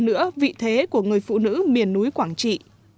nữa vị thế của người phụ nữ miền núi quảng trị